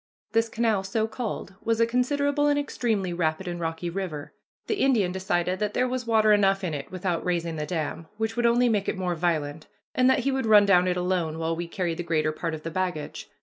This canal, so called, was a considerable and extremely rapid and rocky river. The Indian decided that there was water enough in it without raising the dam, which would only make it more violent, and that he would run down it alone, while we carried the greater part of the baggage.